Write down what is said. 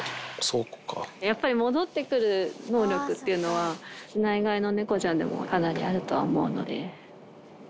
やっぱり戻ってくる能力っていうのは、室内飼いの猫ちゃんにもあると思うので。